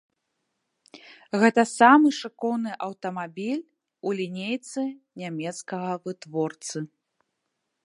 Гэта самы шыкоўны аўтамабіль у лінейцы нямецкага вытворцы.